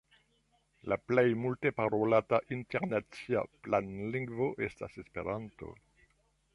La plej multe parolata internacia planlingvo estas Esperanto.